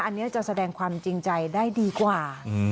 อันนี้จะแสดงความจริงใจได้ดีกว่า